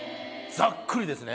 ざっくりですね。